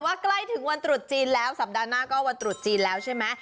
ใกล้ถึงวันตรุษจีนแล้วสัปดาห์หน้าก็วันตรุษจีนแล้วใช่ไหม